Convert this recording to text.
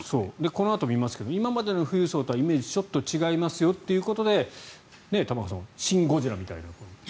このあと見ますが今までの富裕層とはイメージ違いますよということで玉川さん「シン・ゴジラ」みたいな。